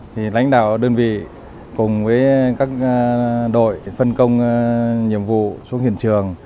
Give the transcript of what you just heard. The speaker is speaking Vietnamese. thì lãnh đạo đơn vị cùng với các đội phân công nhiệm vụ xuống hiện trường